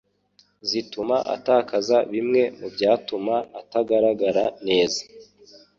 zituma atakaza bimwe mubyatuma atagaragara neza.